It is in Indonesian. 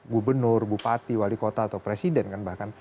gubernur bupati wali kota atau presiden kan bahkan